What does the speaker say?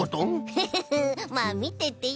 フフフまあみててよ！